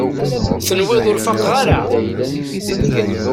Tenwiḍ ur faqeɣ ara?